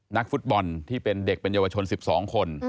นักฟุตบอลที่เป็นเด็กเป็นเยาวชน๑๒คน